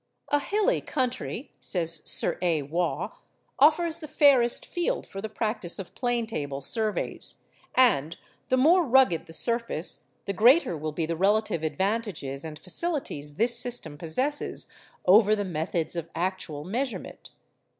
'A hilly country,' says Sir A. Waugh, 'offers the fairest field for the practice of plane table surveys, and the more rugged the surface the greater will be the relative advantages and facilities this system possesses over the methods of actual measurement.